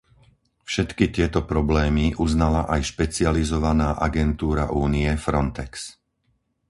Všetky tieto problémy uznala aj špecializovaná agentúra Únie Frontex.